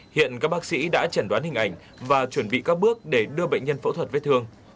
hiện các bác sĩ đã chẩn đoán hình ảnh và chuẩn bị các bước để đưa bệnh nhân phẫu thuật vết thương